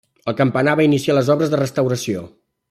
El campanar va iniciar les obres de restauració.